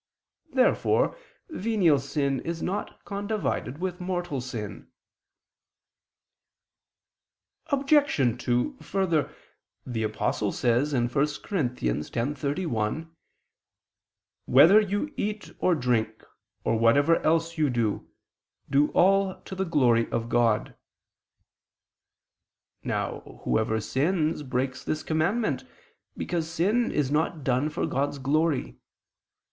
Therefore venial sin is not condivided with mortal sin. Obj. 2: Further, the Apostle says (1 Cor. 10:31): "Whether you eat or drink, or whatever else you do; do all to the glory of God." Now whoever sins breaks this commandment, because sin is not done for God's glory.